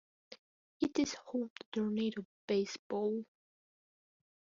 It is home to Tornado Baseball.